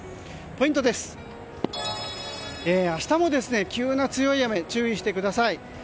ポイントは、明日も急な強い雨に注意してください。